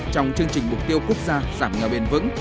trong chương trình mục tiêu quốc gia giảm nghèo bền vững